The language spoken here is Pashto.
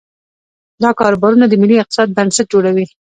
دا کاروبارونه د ملي اقتصاد بنسټ جوړوي.